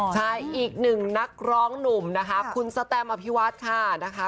ใช่อีกหนึ่งนักร้องหนุ่มนะคะคุณสแตมอภิวัฒน์ค่ะนะคะ